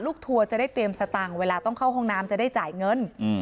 ทัวร์จะได้เตรียมสตังค์เวลาต้องเข้าห้องน้ำจะได้จ่ายเงิน